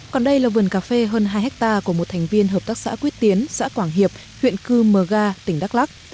còn đây là vườn cà phê hơn hai hectare của một thành viên hợp tác xã quyết tiến xã quảng hiệp huyện cư mờ ga tỉnh đắk lắc